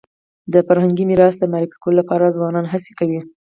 د فرهنګي میراث د معرفي کولو لپاره ځوانان هڅي کوي.